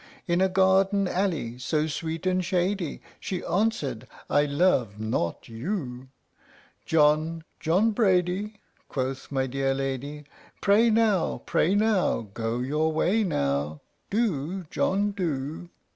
In a garden alley, so sweet and shady, She answered, "I love not you, John, John Brady," Quoth my dear lady, "Pray now, pray now, go your way now, Do, John, do!"